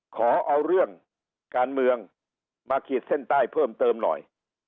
ขอเอาเรื่องการเมืองมาขีดเส้นใต้เพิ่มเติมหน่อย